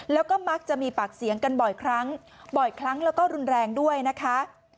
แล้วก็มักจะมีปากเสียงกันบ่อยครั้งบ่อยครั้งแล้วก็รุนแรงด้วยนะคะ